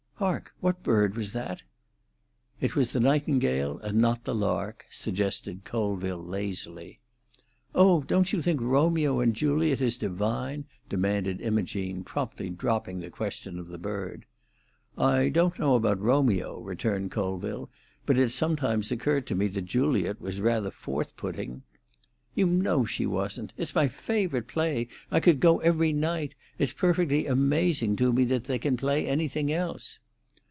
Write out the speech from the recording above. "Hark! What bird was that?" "'It was the nightingale, and not the lark,'" suggested Colville lazily. "Oh, don't you think Romeo and Juliet is divine?" demanded Imogene, promptly dropping the question of the bird. "I don't know about Romeo," returned Colville, "but it's sometimes occurred to me that Juliet was rather forth putting." "You know she wasn't. It's my favourite play. I could go every night. It's perfectly amazing to me that they can play anything else."